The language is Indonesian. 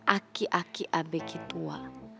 aki aki abeki tua